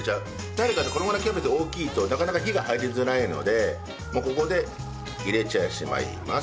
なぜかってこのぐらいキャベツ大きいとなかなか火が入りづらいのでもうここで入れてしまいます。